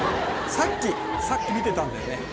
さっき、さっき見てたんだよね。